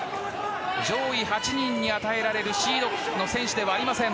上位８人に与えられるシードの選手ではありません。